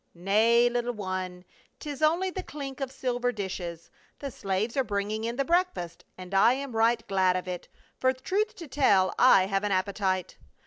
" Nay, little one, 'tis only the clink of silver dishes ; the slaves are bringing in the breakfast, and I am right glad of it, for truth to tell I have an appetite."